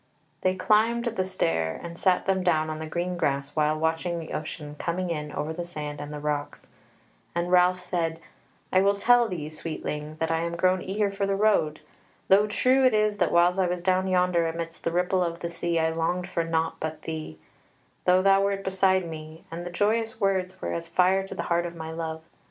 They climbed the stair, and sat them down on the green grass awhile watching the ocean coming in over the sand and the rocks, and Ralph said: "I will tell thee, sweetling, that I am grown eager for the road; though true it is that whiles I was down yonder amidst the ripple of the sea I longed for naught but thee, though thou wert beside me, and thy joyous words were as fire to the heart of my love.